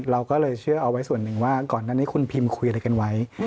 เราก็เลยเชื่อเอาไว้ส่วนหนึ่งว่าก่อนหน้านี้คุณพิมพ์คุยอะไรกันไว้